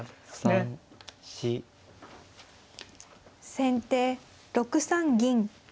先手６三銀。